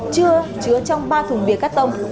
chưa chứa trong ba thùng bia cắt tông